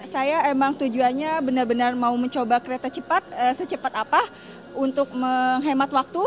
saya emang tujuannya benar benar mau mencoba kereta cepat secepat apa untuk menghemat waktu